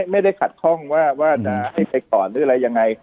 ไม่ได้ขัดคล่องว่าว่านายไปก่อนหรืออะไรยังไง